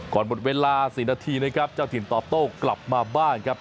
หมดเวลา๔นาทีนะครับเจ้าถิ่นตอบโต้กลับมาบ้านครับ